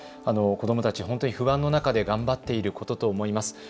子どもたち、不安の中で頑張っていることと思います。